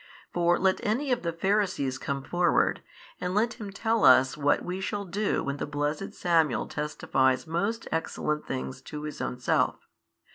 For let any of the Pharisees come forward, and let him tell us what we shall do when the blessed Samuel testifies most excellent things to his own self.